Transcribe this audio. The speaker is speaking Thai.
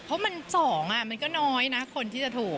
เพราะมัน๒มันก็น้อยนะคนที่จะถูก